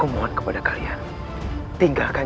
ini modal berdagang untuk kalian